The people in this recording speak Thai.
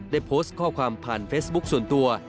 ได้โพสต์ข้อความผ่านเฟซบุ๊คส่วนตัว